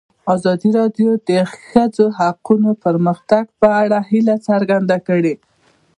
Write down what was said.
ازادي راډیو د د ښځو حقونه د پرمختګ په اړه هیله څرګنده کړې.